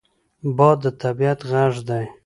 باد د طبعیت غږ دی